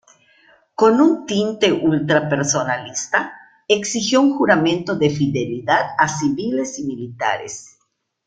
Con un tinte ultra personalista, exigió un juramento de fidelidad a civiles y militares.